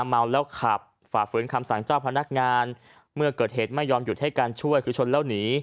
เมาแล้วขับฝ่าฝืนคำสั่งเจ้าพนักงานเมื่อเกิดเหตุไม่ยอมหยุดให้การช่วยคือชนแล้วหนี